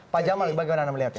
pak jamal bagaimana melihatnya